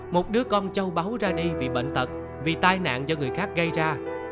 một đứa con châu báu ra đi vì bệnh tật vì tai nạn do người khác gây ra